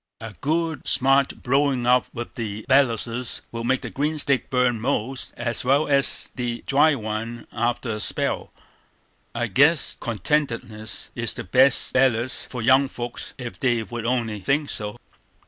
"A good smart blowin' up with the belluses would make the green stick burn most as well as the dry one after a spell. I guess contentedness is the best bellus for young folks, ef they would only think so."